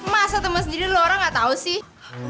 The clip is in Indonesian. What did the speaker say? masa temen sendiri dulu orang gak tau sih